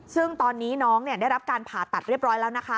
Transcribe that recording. ซึ่งตอนนี้น้องได้รับการผ่าตัดเรียบร้อยแล้วนะคะ